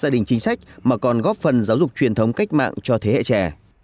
dục truyền thống cách mạng cho thế hệ trẻ